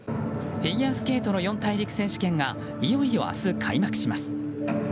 フィギュアスケートの四大陸選手権がいよいよ明日、開幕します。